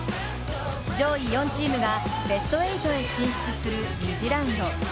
上位４チームがベスト８へ進出する２次ラウンド。